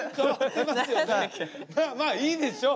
まあいいでしょう。